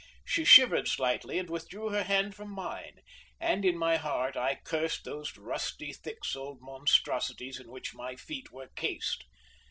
She shivered slightly, and withdrew her hand from mine, and in my heart I cursed those rusty, thick soled monstrosities in which my feet were cased.